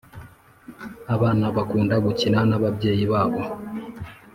abana bakunda gukina n’ abyeya babo